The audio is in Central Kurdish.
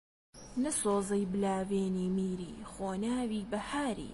نە سۆزەی بلاوێنی میری، خوناوەی بەهاری